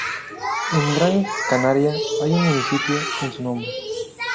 En Gran Canaria hay un municipio en su nombre.